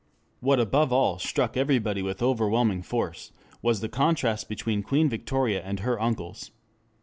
What, above all, struck everybody with overwhelming force was the contrast between Queen Victoria and her uncles.